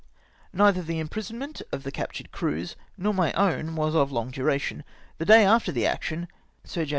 Neither the imprisonment of the captured crews, nor my own, was of long duration. The day after the action, Sir J.